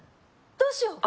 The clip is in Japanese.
どうしよう